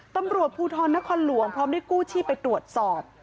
ตำรวจภูทรนครหลวงพร้อมด้วยกู้ชีพไปตรวจสอบ